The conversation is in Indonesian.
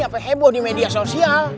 apa heboh di media sosial